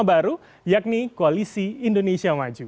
dan bergabung ke koalisi kebangkitan indonesia raya bersama dengan gerindra